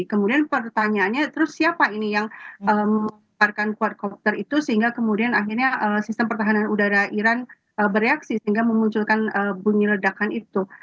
kemudian pertanyaannya terus siapa ini yang memarkan quart komputer itu sehingga kemudian akhirnya sistem pertahanan udara iran bereaksi sehingga memunculkan bunyi ledakan itu